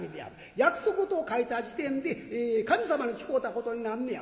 約束事を書いた時点で神様に誓うたことになんねや。